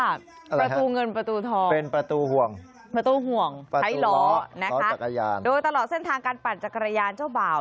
อะไรฮะเป็นประตูห่วงประตูห่วงไถหลอนะคะโดยตลอดเส้นทางการปั่นจักรยานเจ้าบ่าว